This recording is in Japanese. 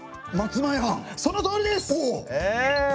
ただのそのとおりです。